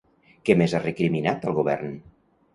Què més ha recriminat al govern?